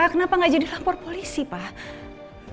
kenapa gak jadi lapor polisi pak